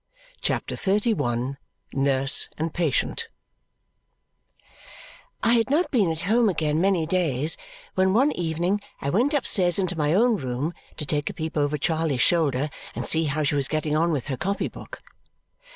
CHAPTER XXXI Nurse and Patient I had not been at home again many days when one evening I went upstairs into my own room to take a peep over Charley's shoulder and see how she was getting on with her copy book.